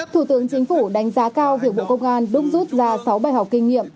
thủ tướng chính phủ đánh giá cao hiệu bộ công an đúng rút ra sáu bài học kinh nghiệm